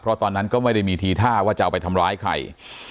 เพราะตอนนั้นก็ไม่ได้มีทีท่าว่าจะเอาไปทำร้ายใคร